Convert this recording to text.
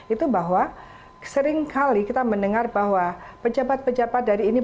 itu bahwa seringkali kita mendengar bahwa pejabat pejabat dari ini